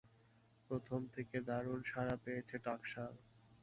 প্রথম থেকে দারুণ সাড়া পেয়েছে টাকশাল।